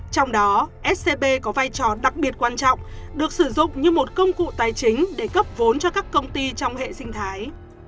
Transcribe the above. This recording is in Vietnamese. trong đó scb có vai trò đặc biệt quan trọng được sử dụng như một công cụ tài chính để cấp vốn cho các công ty trong hệ sinh thái